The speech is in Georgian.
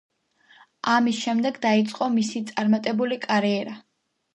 ამის შემდეგ დაიწყო მისი წარმატებული კარიერა.